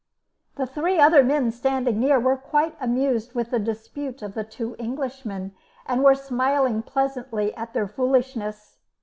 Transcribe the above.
The three other men standing near were quite amused with the dispute of the two Englishmen, and were smiling pleasantly at their foolishness.